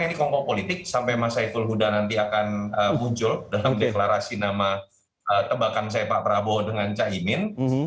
ini kelompok politik sampai mas saiful huda nanti akan muncul dalam deklarasi nama tebakan saya pak prabowo dengan caimin